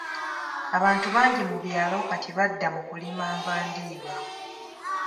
Abantu bangi mu byalo kati badda mu kulima nva ndiirwa.